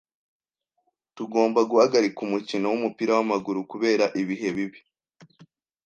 Tugomba guhagarika umukino wumupira wamaguru kubera ibihe bibi